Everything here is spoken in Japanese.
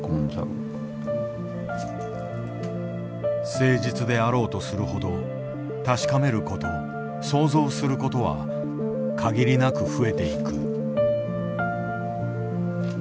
誠実であろうとするほど確かめること想像することは限りなく増えていく。